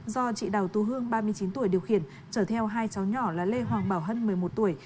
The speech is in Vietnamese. do chị đào tú hương ba mươi chín tuổi điều khiển chở theo hai cháu nhỏ là lê hoàng bảo hân một mươi một tuổi